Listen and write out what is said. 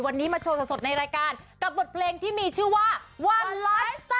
วันนี้มาโชว์สดในรายการกับบทเพลงที่มีชื่อว่า